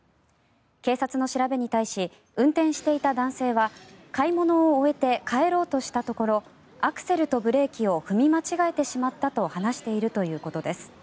警察の調べに対し運転していた男性は買い物を終えて帰ろうとしたところアクセルとブレーキを踏み間違えてしまったと話しているということです。